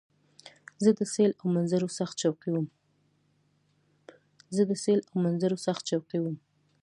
زه د سیل او منظرو سخت شوقی وم.